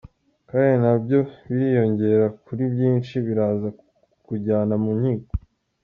Kandi na byo biriyongera kuri byinshi biraza kukujyana mu nkiko.